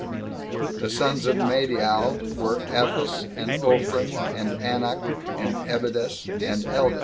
The sons of Madiau were Ephas, and Ophren, and Anoch, and Ebidas, and Eldas.